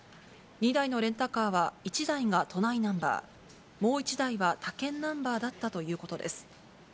２台のレンタカーは、１台が都内ナンバー、もう１台は他県ナンバーだったということです。